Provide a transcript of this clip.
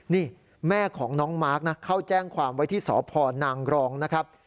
นี่แม่ของน้องมาร์คนะเข้าแจ้งความไว้ที่สพนางรองนะครับ